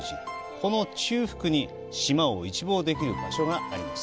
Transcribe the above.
この中腹に島を一望できる場所があります。